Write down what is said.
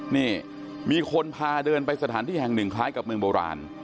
นี่มีคนพาเดินไปสถานที่แห่งหนึ่งคล้ายกับเมืองโบราณ